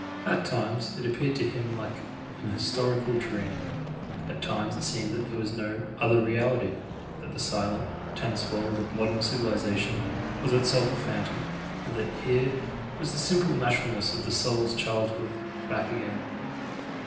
At times it appeared to him like an historical dream; at times it seemed that there was no other reality; that the silent, tense world of modern civilisation was itself a phantom, and that here was the simple naturalness of the soul's childhood back again.